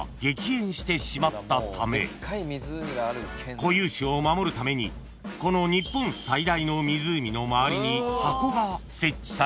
［固有種を守るためにこの日本最大の湖の周りに箱が設置されている］